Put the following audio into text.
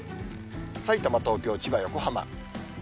さいたま、東京、千葉、横浜。